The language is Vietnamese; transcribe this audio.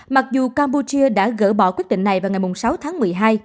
mặc dù campuchia đã gỡ bỏ quyết định này vào ngày sáu tháng một mươi hai